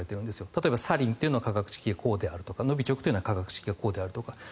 例えば、サリンというのは化学式がこうであるとかノビチョクというのは化学式がこうであるとか。